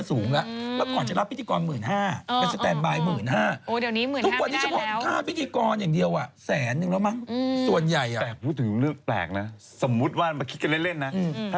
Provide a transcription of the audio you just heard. ดราม่ากันมากหลังจากที่นางเอกเออวิกเจ็ดศรีหลายคนเนี้ยคือไม่ต่อสัญญากันแหละ